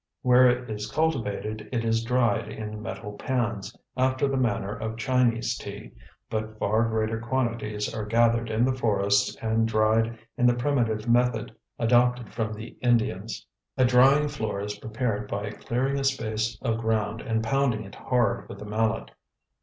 Where it is cultivated it is dried in metal pans, after the manner of Chinese tea, but far greater quantities are gathered in the forests and dried in the primitive method adopted from the Indians. A drying floor is prepared by clearing a space of ground and pounding it hard with a mallet.